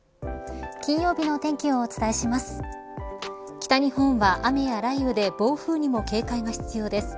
北日本は雨や雷雨で暴風にも警戒が必要です。